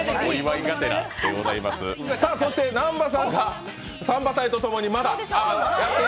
南波さんがサンバ隊とともにまだ。